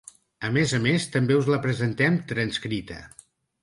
A més a més, també us la presentem transcrita.